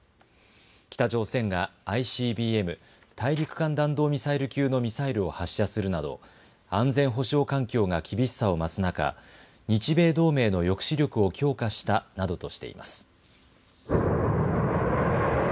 北朝鮮がＩＣＢＭ・大陸間弾道ミサイル級のミサイルを発射するなど安全保障環境が厳しさを増す中、日米同盟の抑止力を強化したなどとしています。